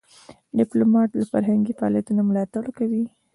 ډيپلومات له فرهنګي فعالیتونو ملاتړ کوي.